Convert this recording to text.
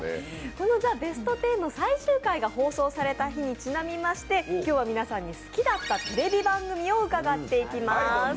この「ザ・ベストテン」の最終回が放送された日にちなみまして今日は皆さんに好きだったテレビ番組を伺っていきます。